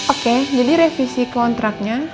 oke jadi revisi kontraknya